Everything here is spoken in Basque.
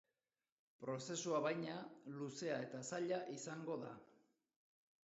Prozesua, baina, luzea eta zaila izango da.